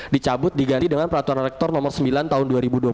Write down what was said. dicabut diganti dengan peraturan rektor nomor sembilan tahun dua ribu dua puluh satu